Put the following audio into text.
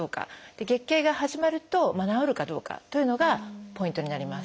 月経が始まると治るかどうかというのがポイントになります。